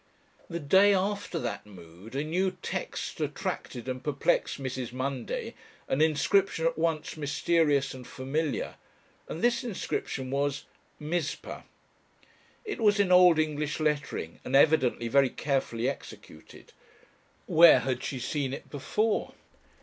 The day after that mood a new "text" attracted and perplexed Mrs. Munday, an inscription at once mysterious and familiar, and this inscription was: Mizpah. It was in Old English lettering and evidently very carefully executed. Where had she seen it before?